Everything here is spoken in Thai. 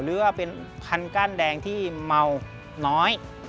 หรือว่าเป็นคันกั้นแดงที่เมาน้อย